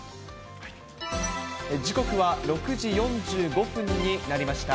時刻は６時４５分になりました。